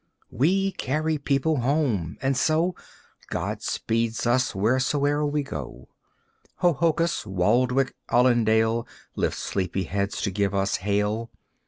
We carry people home and so God speeds us, wheresoe'er we go. Hohokus, Waldwick, Allendale Lift sleepy heads to give us hail.